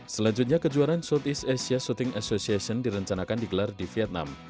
selanjutnya kejuaraan southeast asia shooting association direncanakan digelar di vietnam